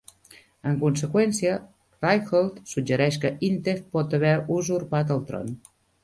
En conseqüència, Ryholt suggereix que Intef pot haver usurpat el tron.